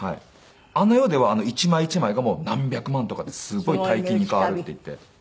あの世ではあの一枚一枚が何百万とかってすごい大金に換わるっていって。